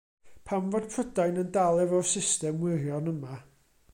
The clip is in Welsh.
Pam fod Prydain yn dal efo'r system wirion yma?